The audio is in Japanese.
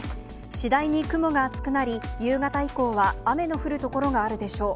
次第に雲が厚くなり、夕方以降は雨の降る所があるでしょう。